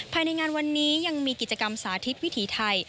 ภายในงานวันนี้ยังมีกิจกรรมสาธิตวิถีไทย